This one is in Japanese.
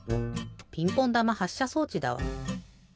ピンポンだまはっしゃ装置だわ。